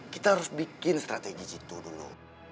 kita harus bikin strategi jitu dulu